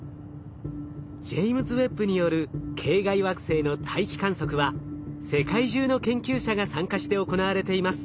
ジェイムズ・ウェッブによる系外惑星の大気観測は世界中の研究者が参加して行われています。